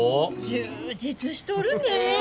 充実しとるねえ。